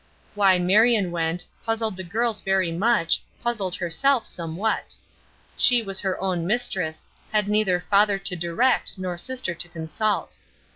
Why Marion went, puzzled the girls very much, puzzled herself somewhat. She was her own mistress, had neither father to direct nor sister to consult.